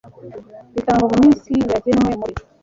bitangwa mu minsi yagenywe muri